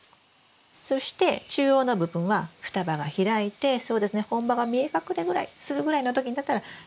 そして中央の部分は双葉が開いてそうですね本葉が見え隠れぐらいするぐらいの時になったら３本に。